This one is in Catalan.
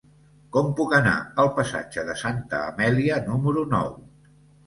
Com puc anar al passatge de Santa Amèlia número nou?